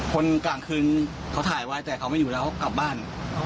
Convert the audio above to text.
มีคนกลางคืนเค้าถ่ายวายแต่เค้าไม่อยู่แล้วกลับบ้าน